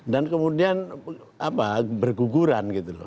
dan kemudian berguguran